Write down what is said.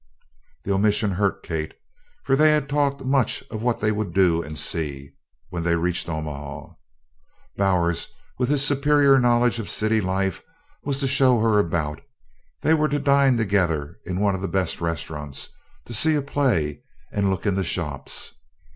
The omission hurt Kate, for they had talked much of what they would do and see when they reached Omaha. Bowers, with his superior knowledge of city life, was to show her about; they were to dine together in one of the best restaurants, to see a play and look in the shops.